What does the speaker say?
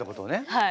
はい！